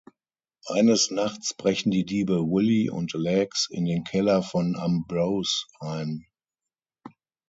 Eines Nachts brechen die Diebe Willie und Legs in den Keller von Ambrose ein.